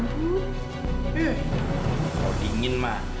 kalau dingin mah